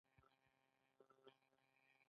ثبات څنګه پانګه راجذبوي؟